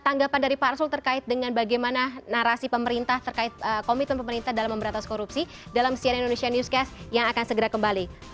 tanggapan dari pak arsul terkait dengan bagaimana narasi pemerintah terkait komitmen pemerintah dalam memberantas korupsi dalam cnn indonesia newscast yang akan segera kembali